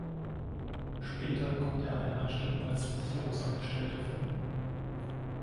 Später konnte er eine Anstellung als Versicherungsangestellter finden.